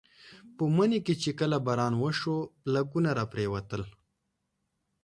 په مني کې چې کله باران وشو بلګونه راپرېوتل.